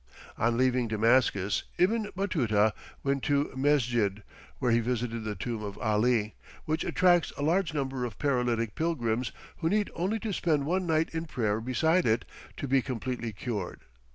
On leaving Damascus, Ibn Batuta went to Mesjid, where he visited the tomb of Ali, which attracts a large number of paralytic pilgrims who need only to spend one night in prayer beside it, to be completely cured.